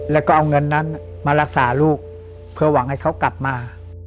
แล้วก็เอาเงินนั้นมารักษาลูกเพื่อหวังให้เขากลับมา